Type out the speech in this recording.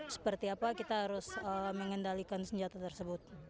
seperti apa kita harus mengendalikan senjata tersebut